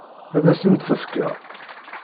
Ad asen-tt-tefkeḍ?